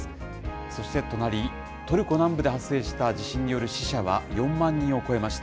そして隣、トルコ南部で発生した地震による死者は４万人を超えました。